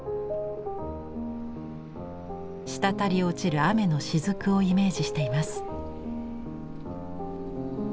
滴り落ちる雨のしずくをイメージしています。